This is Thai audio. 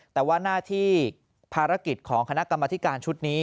แต่ว่าหน้าที่ภารกิจของคณะกรรมธิการชุดนี้